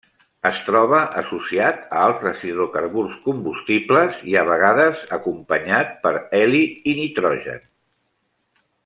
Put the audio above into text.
Es troba associat a altres hidrocarburs combustibles i a vegades acompanyat per heli i nitrogen.